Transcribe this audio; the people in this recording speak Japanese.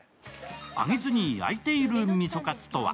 揚げずに焼いているみそかつとは？